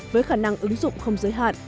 với khả năng ứng dụng không giới hạn